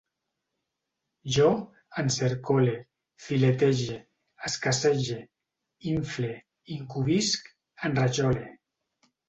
Jo encercole, filetege, escassege, infle, incumbisc, enrajole